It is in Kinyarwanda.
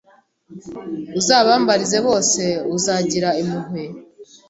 Uzabambarize bose uzagira impuhwe